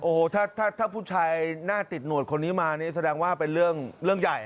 โอ้โหถ้าผู้ชายหน้าติดหนวดคนนี้มานี่แสดงว่าเป็นเรื่องใหญ่